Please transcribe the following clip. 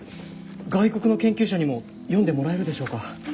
外国の研究者にも読んでもらえるでしょうか？